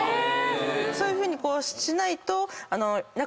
そういうふうにしないと。